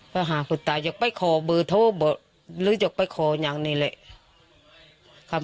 ไปหาผู้ตายอยากไปขอบือโทษหรืออยากไปขออย่างนี้แหละ